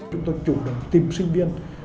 chúng tôi chủ động tìm sinh viên